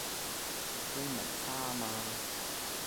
英文差吖嘛